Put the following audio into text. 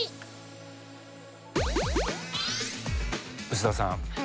臼田さん